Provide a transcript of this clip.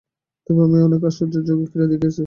তবে আমি অনেক আশ্চর্য যৌগিক ক্রিয়া দেখিয়াছি।